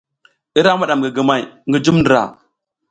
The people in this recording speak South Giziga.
Ira miɗam gigimay ngi jum ndra.